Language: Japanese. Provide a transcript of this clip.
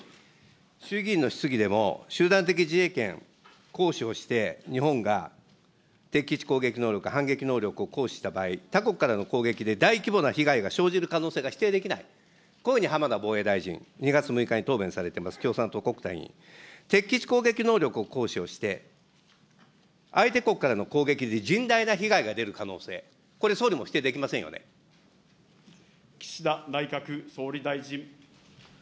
衆議院の質疑でも、集団的自衛権行使をして、日本が敵基地攻撃能力、反撃能力を行使した場合、他国からの攻撃で大規模な被害が生じる可能性が否定できない、こういうふうに浜田防衛大臣、２月６日に答弁されてます、共産党委員、敵基地攻撃能力を行使をして、相手国からの攻撃で甚大な被害が出る可能性、これ、総理も否定で岸田内閣総理大臣。